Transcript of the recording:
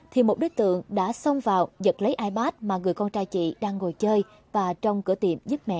thì một đối tượng đã xông vào giật lấy ipad mà người con trai chị đang ngồi chơi và trong cửa tiệm giúp mẹ